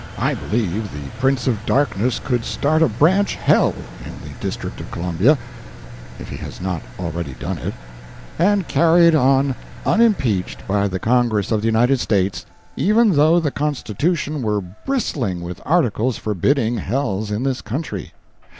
I believe the Prince of Darkness could start a branch hell in the District of Columbia (if he has not already done it), and carry it on unimpeached by the Congress of the United States, even though the Constitution were bristling with articles forbidding hells in this country.